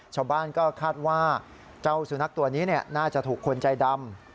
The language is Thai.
ชาวบ้านก็คาดว่าเจ้าสุนัขตัวนี้น่าจะถูกคนใจดำ